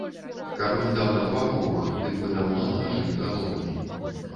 Каб ім даў адвагу бог, дык бы даўно налажылі галовамі.